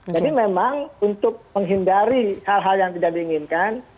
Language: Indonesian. jadi memang untuk menghindari hal hal yang tidak diinginkan